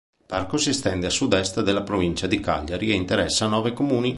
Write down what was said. Il parco si estende a sud-est della provincia di Cagliari e interessa nove comuni.